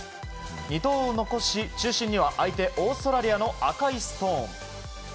２投を残し中心には相手、オーストラリアの赤いストーン。